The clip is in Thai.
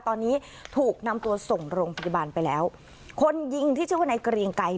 ตอนนี้ถูกนำตัวส่งโรงพยาบาลไปแล้วคนยิงที่ชื่อว่านายเกรียงไกร